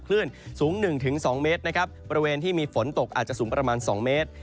คลื่นสูง๑๒เมตรนะครับบริเวณที่มีฝนตกอาจจะสูงประมาณ๒เมตร